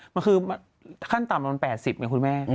มันคือขั้นต่ำมัน๘๐ไงคุณแม่